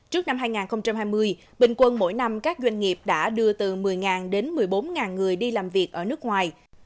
trước năm hai nghìn hai mươi bình quân mỗi năm các doanh nghiệp đã đưa từ một mươi đến một mươi bốn người đi làm việc ở nước ngoài